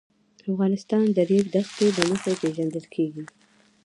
افغانستان د د ریګ دښتې له مخې پېژندل کېږي.